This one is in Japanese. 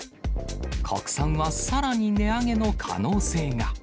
国産はさらに値上げの可能性が。